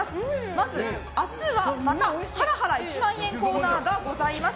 まず、明日はまたハラハラ１万円コーナーがございます。